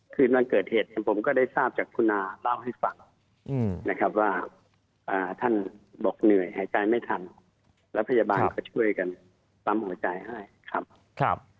คืนวันเกิดเหตุเนี่ยผมก็ได้ทราบจากคุณอาเล่าให้ฟังนะครับว่าท่านบอกเหนื่อยหายใจไม่ทันแล้วพยาบาลก็ช่วยกันปั๊มหัวใจให้ครับ